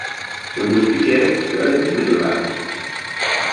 We moeten de kerk wel in het midden laten!